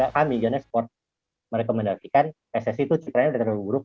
kami jane sport merekomendasikan pssi itu cekranya dari terlalu buruk